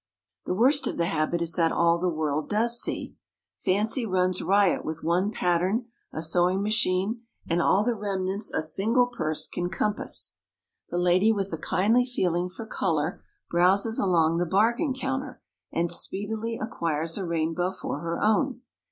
The worst of the habit is that all the world does see. Fancy runs riot with one pattern, a sewing machine, and all the remnants a single purse can compass. The lady with a kindly feeling for colour browses along the bargain counter and speedily acquires a rainbow for her own.